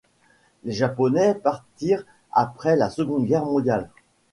Les Japonais partirent après la Seconde Guerre mondiale.